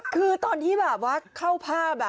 คือตอนที่เข้าภาพ